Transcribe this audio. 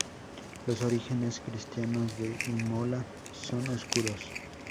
Los orígenes cristianos de Imola son oscuros.